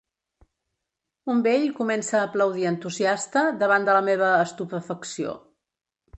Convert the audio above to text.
Un vell comença a aplaudir entusiasta davant de la meva estupefacció.